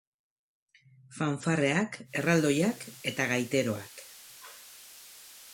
Fanfarreak, erraldoiak eta gaiteroak.